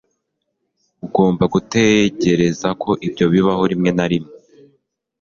Ugomba gutegereza ko ibyo bibaho rimwe na rimwe